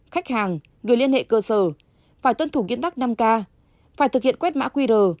khách hàng gửi liên hệ cơ sở phải tuân thủ kiến tắc năm k phải thực hiện quét mã qr